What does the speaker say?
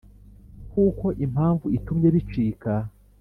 Kuko impamvu itumye bicika,